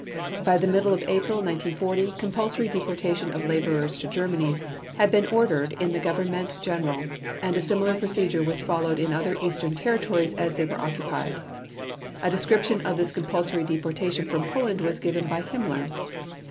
By the middle of April 1940 compulsory deportation of laborers to Germany had been ordered in the Government General; and a similar procedure was followed in other eastern territories as they were occupied. A description of this compulsory deportation from Poland was given by Himmler.